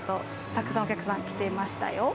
たくさんお客さん来ていましたよ。